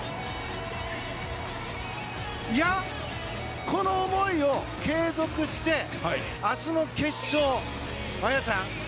いや、この思いを継続して明日の決勝、綾さん